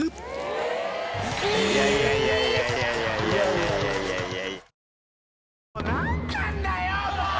いやいやいやいや。